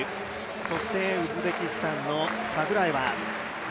そしてウズベキスタンのサドゥラエワ。